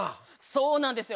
そうなんですよ。